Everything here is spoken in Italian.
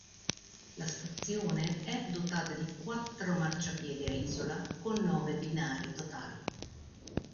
La stazione, è dotata di quattro marciapiedi a isola, con nove binari totali.